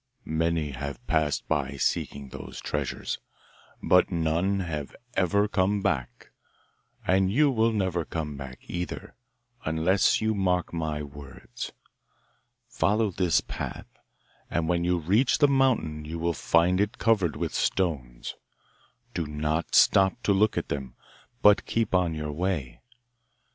'Many have passed by seeking those treasures, but none have ever come back; and you will never come back either, unless you mark my words. Follow this path, and when you reach the mountain you will find it covered with stones. Do not stop to look at them, but keep on your way.